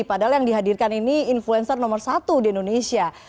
padahal yang dihadirkan ini influencer nomor satu di indonesia